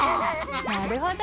なるほど。